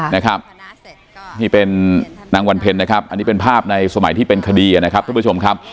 นะครับนี่เป็นนางวันเพ็ญนะครับอันนี้เป็นภาพในสมัยที่เป็นคดีนะครับทุกผู้ชมครับ